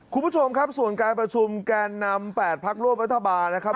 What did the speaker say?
คุณผู้ชมครับส่วนการประชุมแกนนำ๘พักร่วมรัฐบาลนะครับ